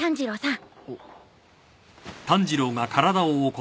ん。